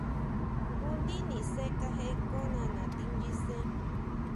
Jngu ndi nise kajeʼe konna nati nyisen.